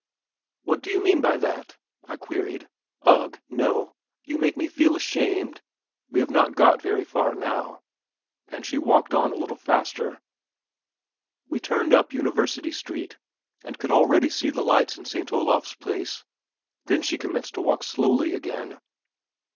"What do you mean by that?" I queried. "Ugh, no; you make me feel ashamed.... We have not got very far now"; and she walked on a little faster. We turned up University Street, and could already see the lights in St. Olav's Place. Then she commenced to walk slowly again.